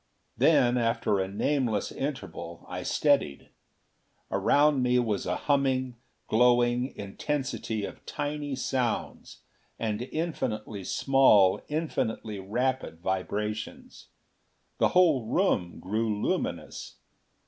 Then, after a nameless interval, I steadied. Around me was a humming, glowing intensity of tiny sounds and infinitely small, infinitely rapid vibrations. The whole room grew luminous.